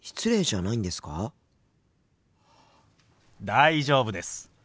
大丈夫です。